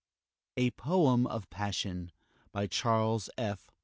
A POE 'EM OF PASSION BY CHARLES F.